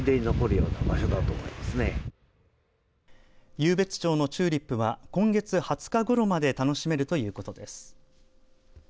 湧別町のチューリップは今月２０日ごろまで楽しめるということです。